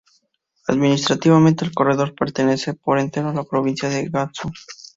Administrativamente, el corredor pertenece por entero a la provincia de Gansu.